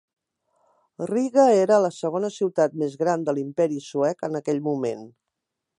Riga era la segona ciutat més gran de l'Imperi suec en aquell moment.